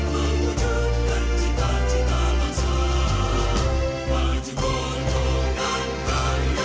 mengujudkan cita cita bangsa